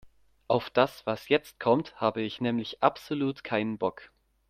Auf das, was jetzt kommt, habe ich nämlich absolut keinen Bock.